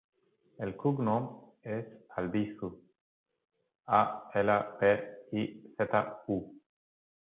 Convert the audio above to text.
El cognom és Albizu: a, ela, be, i, zeta, u.